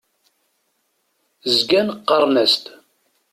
Zgan qqaren-as-d.